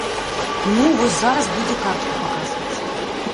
Ну, вось зараз будзе картку паказваць.